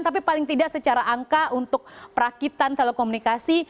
tapi paling tidak secara angka untuk perakitan telekomunikasi